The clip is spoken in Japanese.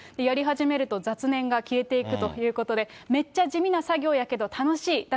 やり始めると雑念が消えていくということで、めっちゃ地味な作業やけど楽しい。